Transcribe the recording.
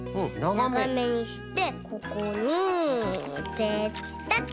ながめにしてここにペタッと。